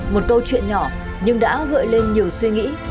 một câu chuyện nhỏ nhưng đã gợi lên nhiều suy nghĩ